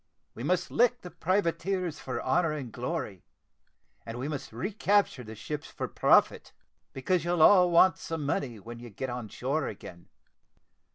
We must lick the privateers for honour and glory, and we must re capture the ships for profit, because you'll all want some money when you get on shore again.